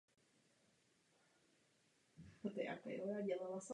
Projekt měl být spuštěn „asi na konci roku“.